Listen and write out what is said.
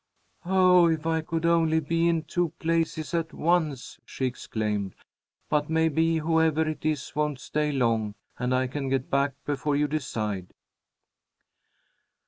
"Oh, if I could only be in two places at once!" she exclaimed. "But maybe whoever it is won't stay long, and I can get back before you decide."